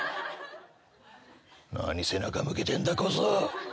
何背中向けてんだ小僧。